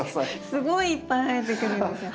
すごいいっぱい生えてくるんですよ